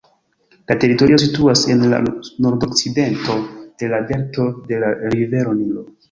La teritorio situas en la nordokcidento de la delto de la rivero Nilo.